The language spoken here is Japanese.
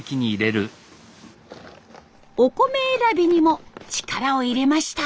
お米選びにも力を入れました。